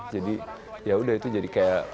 jadi yaudah itu jadi kayak